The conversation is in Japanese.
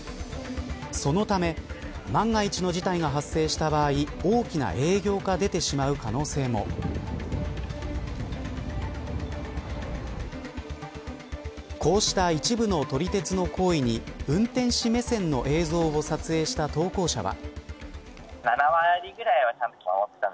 そのため万が一の事態が発生した場合大きな影響が出てしまう可能性もこうした一部の撮り鉄の行為に運転士目線の映像を撮影した投稿者は。